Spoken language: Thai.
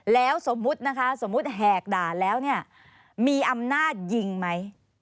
แล้วสมมุตินะคะสมมุติแหกด่าแล้วเนี่ยมีอำนาจยิงไหม